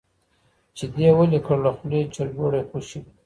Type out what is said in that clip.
چي دي ولي کړ له خولې چرګوړی خوشي